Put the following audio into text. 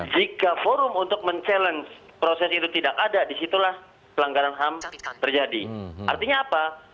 jika forum untuk mencabar proses itu tidak ada disitulah pelanggaran ham terjadi artinya apa